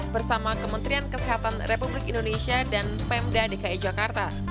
bersama kementerian kesehatan republik indonesia dan pemda dki jakarta